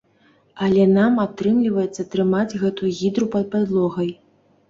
Але нам атрымліваецца трымаць гэтую гідру пад падлогай.